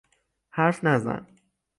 حرف نزن.